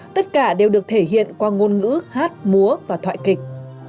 tất cả đều được thể hiện qua ngôn ngữ hát múa và thoại kịch